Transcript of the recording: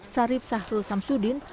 sarip sahruh samsudin